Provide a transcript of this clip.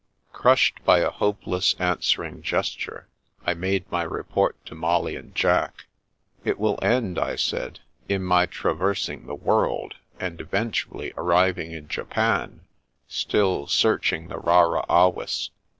Crushed by a hopeless, answering gesture, I made my report to Molly and Jack. "It will end," I said, " in my traversing the world, and eventually arriving in Japan, still searching the rara avis.